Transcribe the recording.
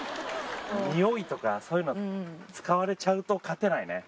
ニオイとかそういうの使われちゃうと勝てないね